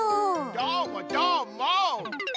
どーもどーも！